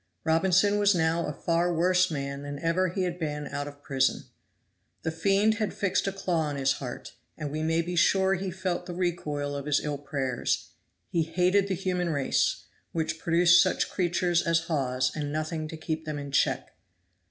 Robinson was now a far worse man than ever he had been out of prison. The fiend had fixed a claw in his heart, and we may be sure he felt the recoil of his ill prayers. He hated the human race, which produced such creatures as Hawes and nothing to keep them in check.